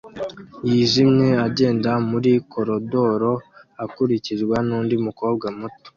yijimye agenda muri koridoro akurikirwa nundi mukobwa muto